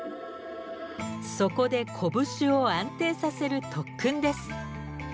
そこで拳を安定させる特訓です。